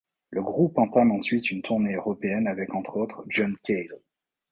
Le groupe entame ensuite une tournée européenne avec entre autres John Cale.